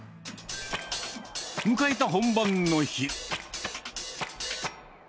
迎えた本番の日。